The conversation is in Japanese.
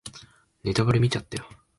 ネタバレ見ちゃったよ